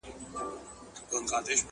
الله دي تا پر چا مین کړي٫